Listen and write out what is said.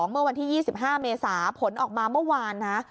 เมื่อวันที่๒๕เมษาผลออกมาเมื่อวานนะ